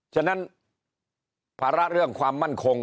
ฉะนั้นภาระเรื่องความมั่นคง